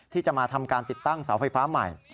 ที่จะมาทำการติดตั้งเสาไฟฟ้าใหม่